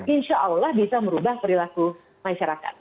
insya allah bisa merubah perilaku masyarakat